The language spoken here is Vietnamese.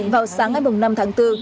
vào sáng ngày năm tháng bốn